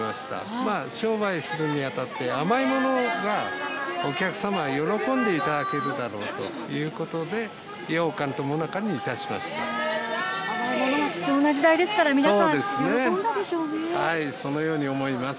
まあ、商売するにあたって、甘いものがお客様、喜んでいただけるだろうということで、甘いものが貴重な時代ですかそのように思います。